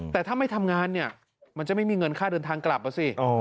แต่ถ้าไม่ทำงานเนี่ยมันจะไม่มีเงินค่าเดินทางกลับมาสิ